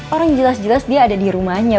orang jelas jelas dia ada di rumahnya